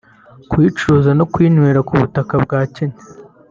kuyicuruza no kuyinywera ku butaka bwa Kenya